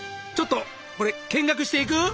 ちょっとこれ見学していく？